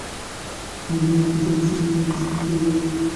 কয়েক দফায় পিছিয়ে অবশেষে পাঁচ আসামির বিরুদ্ধে অভিযোগ গঠন করেন আদালত।